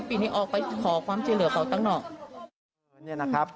ปีนี้ออกไปขอความเจรือเขาตั้งหน้า